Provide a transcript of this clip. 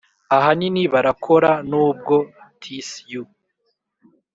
ahanini barakora, nubwo 'tis you,